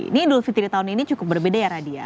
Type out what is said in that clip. ini idul fitri tahun ini cukup berbeda ya radi ya